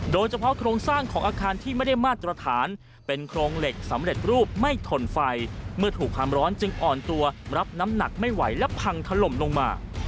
โดยเฉพาะโครงสร้างของอาคารที่ไม่ได้มาตรฐานเป็นโครงเหล็กสำเร็จรูปไม่ถนไฟเมื่อถูกความร้อนจึงอ่อนตัวรับน้ำหนักไม่ไหวและพังถล่มลงมา